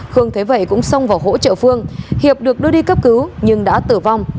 khương thế vậy cũng xông vào hỗ trợ phương hiệp được đưa đi cấp cứu nhưng đã tử vong